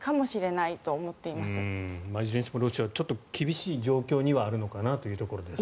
いずれにしてもロシアはちょっと厳しい状況にはあるのかなというところですね。